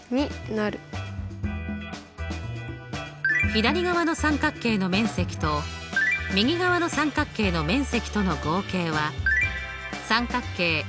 左側の三角形の面積と右側の三角形の面積との合計は三角形